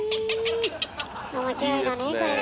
面白いのねこれが。